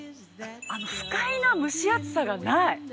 不快な蒸し暑さが、ない。